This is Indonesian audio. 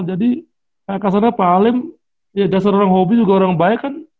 jadi kayak kasarnya pak alem ya dasar orang hobi juga orang baik kan